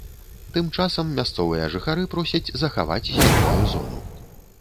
Тым часам мясцовыя жыхары просяць захаваць зялёную зону.